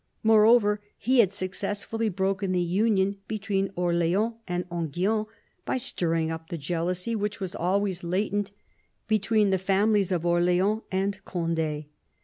Moreover, he had successfully broken the union between Orleans and Enghien by stirring up the jealousy which was always latent between the families of Orleans and Cond^.